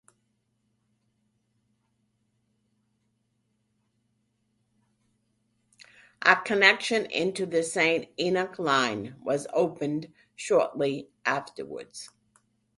A connection into the Saint Enoch line was opened shortly afterwards.